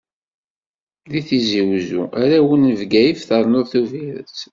Deg Tizi-Wezzu, arraw n Bgayet, ternuḍ Tubiret.